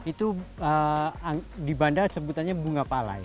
itu di banda sebutannya bunga pala